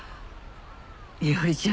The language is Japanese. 伊織ちゃん